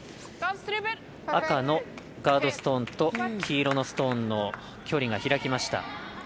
赤のガードストーンと黄色のストーンの距離が開きました。